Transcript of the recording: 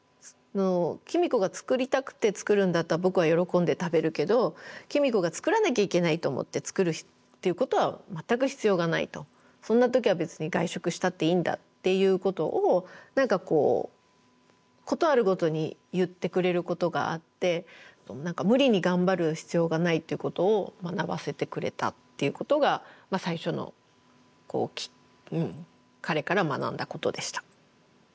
公子が作りたくて作るんだったら僕は喜んで食べるけど公子が作らなきゃいけないと思って作るっていうことは全く必要がないとそんな時は別に外食したっていいんだっていうことを何かこう事あるごとに言ってくれることがあって無理に頑張る必要がないっていうことを学ばせてくれたっていうことが最初の彼から学んだことでした。